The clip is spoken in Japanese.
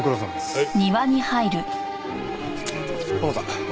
はい。